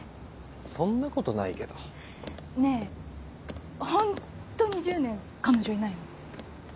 そんなことないけど。ねぇホントに１０年彼女いないの？